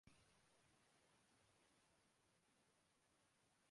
دس یا نو دن یا پھر پانچ گھنٹے؟